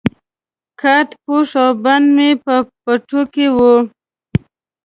کارت پوښ او بند مې په بټوه کې وو.